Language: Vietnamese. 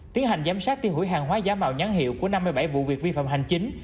tiến hành giám sát tiêu hủy hàng hóa giả mạo nhãn hiệu của năm mươi bảy vụ việc vi phạm hành chính